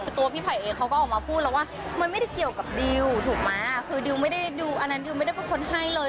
คือตัวพี่ไผ่เองเขาก็ออกมาพูดแล้วว่ามันไม่ได้เกี่ยวกับดิวถูกไหมคือดิวไม่ได้ดิวอันนั้นดิวไม่ได้เป็นคนให้เลย